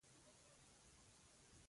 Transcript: پنېر د کورنۍ مېلو خوږه برخه ده.